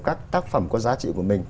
các tác phẩm có giá trị của mình